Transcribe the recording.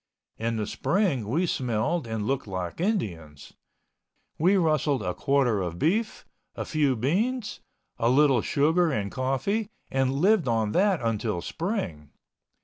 In the spring we smelled and looked like Indians. We rustled a quarter of beef, a few beans, a little sugar and coffee and lived on that until spring.